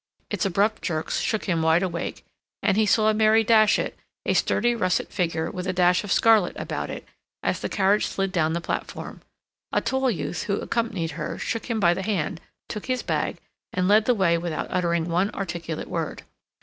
Its abrupt jerks shook him wide awake, and he saw Mary Datchet, a sturdy russet figure, with a dash of scarlet about it, as the carriage slid down the platform. A tall youth who accompanied her shook him by the hand, took his bag, and led the way without uttering one articulate word.